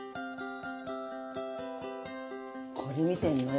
これ見てんのよ